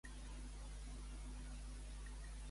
Expliquen que em vaig retardar en començar.